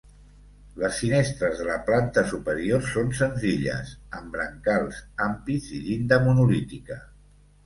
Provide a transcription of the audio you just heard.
Les finestres de la planta superior són senzilles, amb brancals, ampits i llinda monolítica.